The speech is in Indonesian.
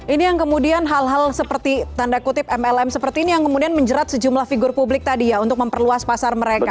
ini yang kemudian hal hal seperti tanda kutip mlm seperti ini yang kemudian menjerat sejumlah figur publik tadi ya untuk memperluas pasar mereka